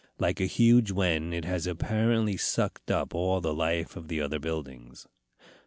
Like a huge wen, it has apparently sucked up all the life of the other buildings.